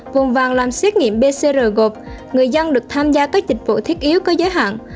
vùng vàng làm xét nghiệm pcr gộp người dân được tham gia các dịch vụ thiết yếu có giới hạn